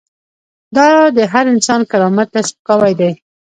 دا د هر انسان کرامت ته سپکاوی دی.